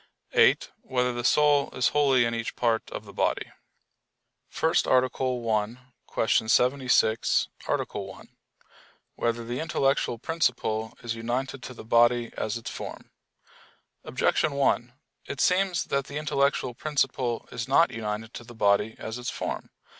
(8) Whether the soul is wholly in each part of the body? _______________________ FIRST ARTICLE [I, Q. 76, Art. 1] Whether the Intellectual Principle Is United to the Body As Its Form? Objection 1: It seems that the intellectual principle is not united to the body as its form.